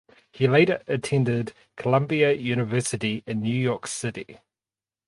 He later attended Columbia University in New York City.